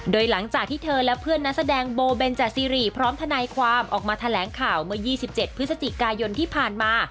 โดยหลังจากที่เธอและเพื่อนนักแสดงโบเบนจาซีรีพร้อมทนายความออกมาแถลงข่าวเมื่อ๒๗พฤศจิกายนที่ผ่านมา